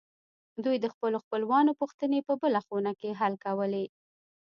دوی د خپلو خپلوانو پوښتنې په بله خونه کې حل کولې